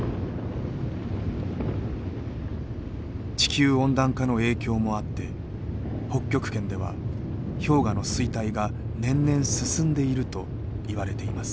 地球温暖化の影響もあって北極圏では氷河の衰退が年々進んでいるといわれています。